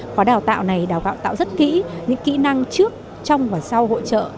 khóa đào tạo này đào tạo tạo rất kỹ những kỹ năng trước trong và sau hội trợ